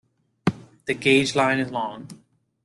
The gauge line is long.